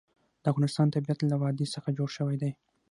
د افغانستان طبیعت له وادي څخه جوړ شوی دی.